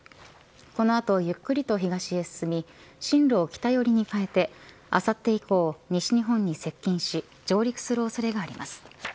このあとゆっくりと東へ進み進路を北寄りに変えてあさって以降、西日本に接近し上陸する恐れがあります。